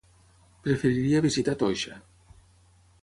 Preferiria visitar Toixa.